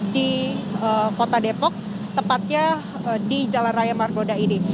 di kota depok tepatnya di jalan raya margonda ini